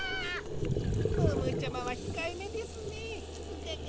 ムームーちゃまはひかえめですねグガガ。